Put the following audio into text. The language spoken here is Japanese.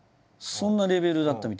そんなレベルだったみたいで。